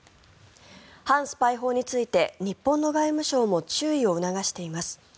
反スパイ法について日本の外務省も注意を促しています。